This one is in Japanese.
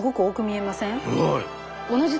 はい。